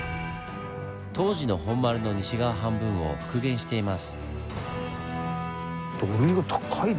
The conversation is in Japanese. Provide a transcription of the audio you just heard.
当時の本丸の西側半分を復元しています。